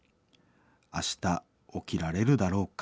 明日起きられるだろうか？